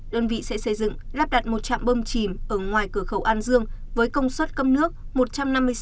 đơn vị sẽ xây dựng lắp đặt một trạm bôm chìm ở ngoài cửa khẩu an dương với công suất cấm nước một trăm năm mươi sáu m ba